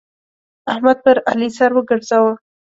احمد پر علي سر وګرځاوو.